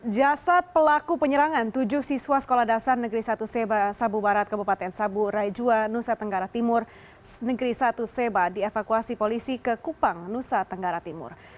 jasad pelaku penyerangan tujuh siswa sekolah dasar negeri satu seba sabu barat kabupaten sabu raijua nusa tenggara timur negeri satu seba dievakuasi polisi ke kupang nusa tenggara timur